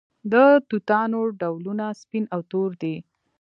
د توتانو ډولونه سپین او تور دي.